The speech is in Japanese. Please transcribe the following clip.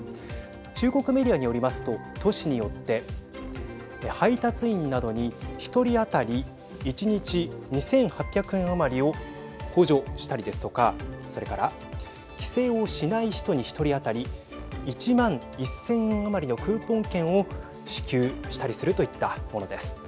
中国メディアによりますと都市によって配達員などに１人当たり１日２８００円余りを補助したりですとかそれから帰省をしない人に１人当たり１万１０００円余りのクーポン券を支給したりするといったものです。